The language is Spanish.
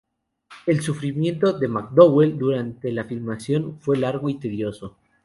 El sufrimiento de McDowell durante toda la filmación fue largo y tedioso.